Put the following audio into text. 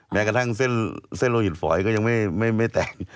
แม้กระทั่งเส้นโลหิตฝอยก็ยังไม่แตก